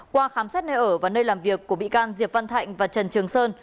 qua khám xét nơi ở và nơi làm việc của bị can diệp văn thạnh và trần trường sơn